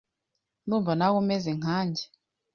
Ndumva nawe umeze nkange.